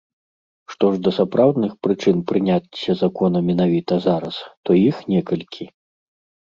Што ж да сапраўдных прычын прыняцця закона менавіта зараз, то іх некалькі.